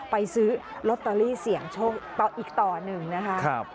ซื้อลอตเตอรี่เสี่ยงโชคต่ออีกต่อหนึ่งนะคะ